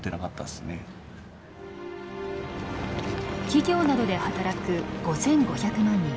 企業などで働く５，５００万人。